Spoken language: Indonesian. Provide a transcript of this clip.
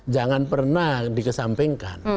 jangan pernah dikesampingkan